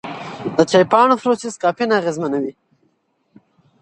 د چای پاڼو پروسس کافین اغېزمنوي.